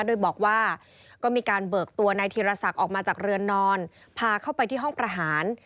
โดยบอกว่าก็มีการเบิกตัวนายธีรศักดิ์ออกมาจากเรือนนอนพาเข้าไปที่ห้องประหาร